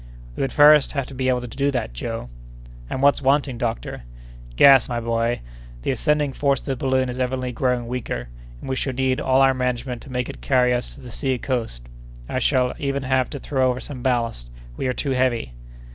"We would first have to be able to do that, Joe!" "And what's wanting, doctor?" "Gas, my boy; the ascending force of the balloon is evidently growing weaker, and we shall need all our management to make it carry us to the sea coast. I shall even have to throw over some ballast. We are too heavy."